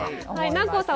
南光さん